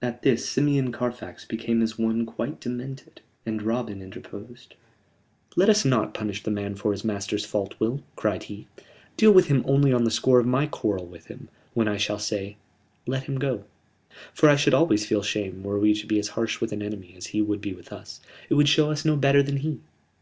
At this Simeon Carfax became as one quite demented, and Robin interposed. "Let us not punish the man for his master's fault, Will," cried he. "Deal with him only on the score of my quarrel with him, when I shall say let him go. For I should always feel shame were we to be as harsh with an enemy as he would be with us. It would show us no better then he."